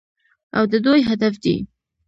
او د دوی هدف دی.